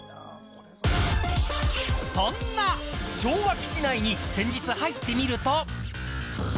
そんな昭和基地内に先日入ってみると。